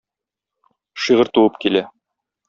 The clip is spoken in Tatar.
Шигырь туып килә...